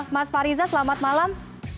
mas fahriza selamat malam